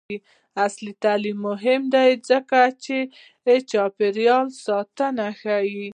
عصري تعلیم مهم دی ځکه چې چاپیریال ساتنه ښيي.